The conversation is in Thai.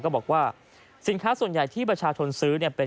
ก็บอกว่าสินค้าที่ประชาชนซื้อ